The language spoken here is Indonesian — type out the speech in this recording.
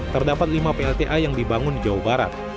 terdapat lima plta yang dibangun di jawa barat